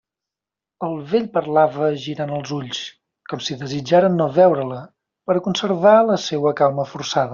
El vell parlava girant els ulls, com si desitjara no veure-la, per a conservar la seua calma forçada.